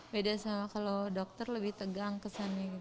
beda sama kalau dokter lebih tegang kesannya